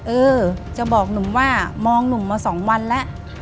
เออจะบอกหนุ่มว่ามองหนุ่มมา๒วันแล้ว